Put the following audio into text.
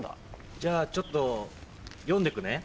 じゃあちょっと読んでくね。